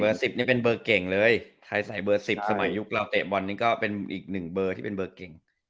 ๑๐นี่เป็นเบอร์เก่งเลยไทยใส่เบอร์๑๐สมัยยุคเราเตะบอลนี่ก็เป็นอีกหนึ่งเบอร์ที่เป็นเบอร์เก่ง